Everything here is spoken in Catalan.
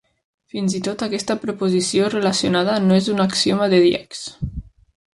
Fins-i-tot aquesta proposició relacionada no és un axioma de Dieks.